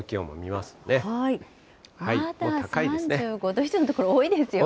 まだ３５度以上の所、多いですよね。